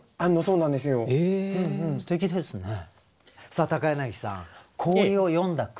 さあ柳さん氷を詠んだ句。